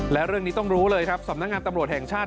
และเรื่องนี้ต้องรู้เลยครับสำนักงานตำรวจแห่งชาติ